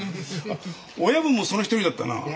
あ親分もその一人だったなぁ。